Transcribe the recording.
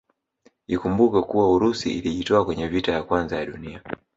Ikumbukwe kuwa Urusi ilijitoa kwenye vita ya kwanza ya dunia